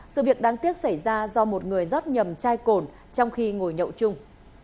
sự việc đáng tiếc xảy ra do một người rót nhầm chai cồn trong khi ngồi nhậu chung